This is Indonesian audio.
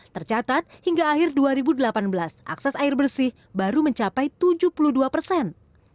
tercatat hingga akhir dua ribu delapan belas akses air bersih baru mencapai tujuh puluh dua persen